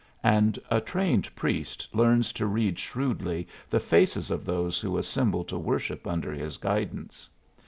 And a trained priest learns to read shrewdly the faces of those who assemble to worship under his guidance.